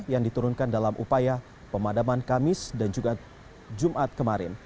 yang diturunkan dalam upaya pemadaman kamis dan juga jumat kemarin